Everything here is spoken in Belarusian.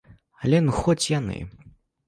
Але ну хоць яны!